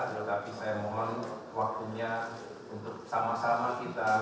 tetapi saya mohon waktunya untuk sama sama kita